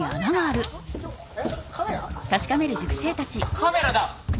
カメラだ！